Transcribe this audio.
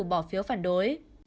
bỏ phiếu phản đối